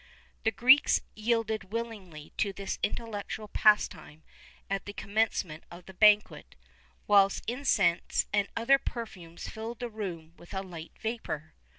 [XXXI 11] The Greeks yielded willingly to this intellectual pastime at the commencement of the banquet, whilst incense and other perfumes filled the room with a light vapour.